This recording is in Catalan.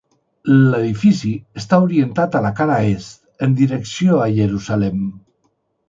L'edifici està orientat a la cara est, en direcció a Jerusalem.